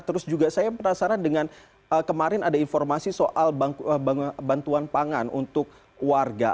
terus juga saya penasaran dengan kemarin ada informasi soal bantuan pangan untuk warga